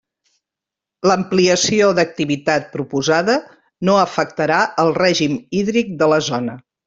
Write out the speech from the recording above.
L'ampliació d'activitat proposada no afectarà el règim hídric de la zona.